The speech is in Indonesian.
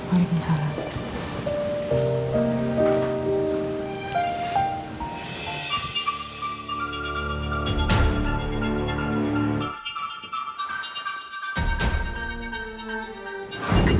assalamualaikum warahmatullahi wabarakatuh